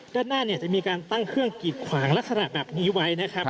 ด้านหน้าเนี่ยจะมีการตั้งเครื่องกีดขวางลักษณะแบบนี้ไว้นะครับ